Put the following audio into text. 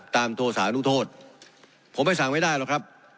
โทรสานุโทษผมไปสั่งไม่ได้หรอกครับ